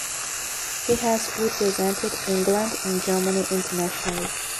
He has represented England and Germany internationally.